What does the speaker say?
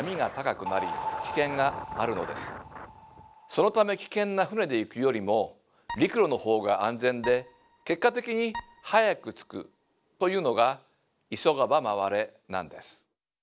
そのため危険な船で行くよりも陸路の方が安全で結果的に早く着くというのが「急がば回れ」なんです。